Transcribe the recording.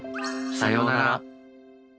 さようなら。